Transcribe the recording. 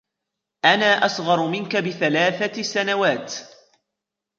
أنا أصغر منك بثلاثة سنوات.